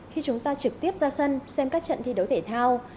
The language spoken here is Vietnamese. khi chúng ta trực tiếp ra sân xem các trận thi đấu thể thao